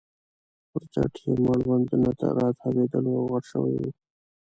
پر څټ یې مړوند نه راتاوېدلو او غټ شوی وو.